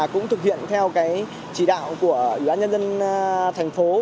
cũng thực hiện theo chỉ đạo của ủy ban nhân dân thành phố